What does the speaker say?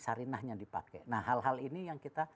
sarinahnya dipakai nah hal hal ini yang kita